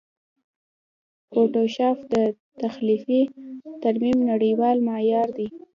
فوټوشاپ د تخلیقي ترمیم نړېوال معیار دی.